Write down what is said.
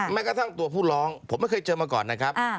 แม้กระทั่งตัวผู้ร้องผมไม่เคยเจอมาก่อนนะครับ